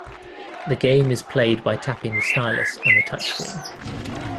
The game is played by tapping the stylus on the touch screen.